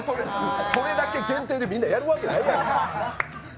それだけ限定でやるわけないやろ。